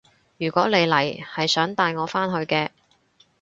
如果你嚟係想帶我返去嘅